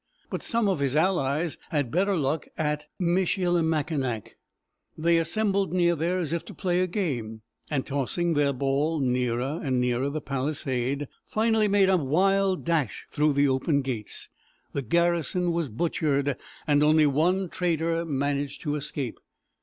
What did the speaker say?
But some of his allies had better luck at Michilimackinac. They assembled near there as if to play a game, and tossing their ball nearer and nearer the palisade, finally made a wild dash through the open gates. The garrison was butchered, and only one trader managed to escape.